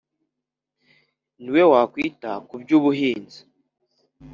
, ni we wakwita ku by’ubuhinzi